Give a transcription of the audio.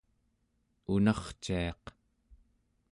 unarciaq